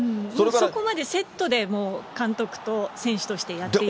そこまでセットでもう、監督と選手としてやっていただければ。